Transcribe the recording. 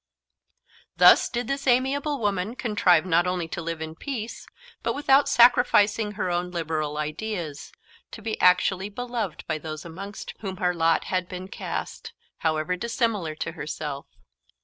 Thus did this amiable woman contrive not only to live in peace, but, without sacrificing her own liberal ideas, to be actually beloved by those amongst whom her lot had been cast, however dissimilar to herself.